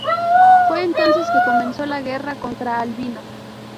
Fue entonces que comenzó la guerra contra Albino.